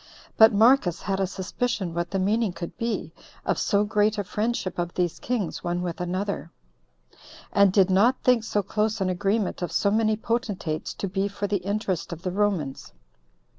But Marcus had a suspicion what the meaning could be of so great a friendship of these kings one with another, and did not think so close an agreement of so many potentates to be for the interest of the Romans.